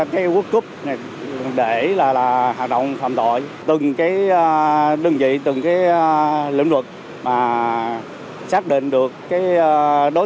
lực cấp để là hoạt động phạm tội từng cái đơn vị từng cái lĩnh vực mà xác định được cái đối